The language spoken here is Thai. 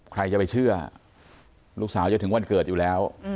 ใครจะไปเชื่อลูกสาวจะถึงวันเกิดอยู่แล้ว